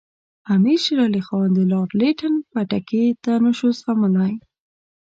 امیر شېر علي خان د لارډ لیټن پټکې نه شو زغملای.